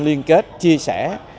liên kết chia sẻ